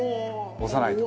押さないと。